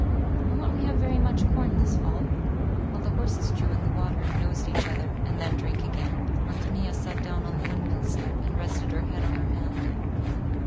I want we have very much corn this fall." While the horses drew in the water, and nosed each other, and then drank again, Ántonia sat down on the windmill step and rested her head on her hand.